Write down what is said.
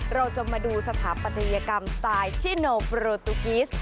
เราจะมาดูสถาปัตยกรรมสไตล์ชิโนโปรตุกิส